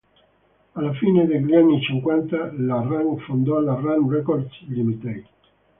Alla fine degli anni cinquanta la Rank fondò la "Rank Records Ltd.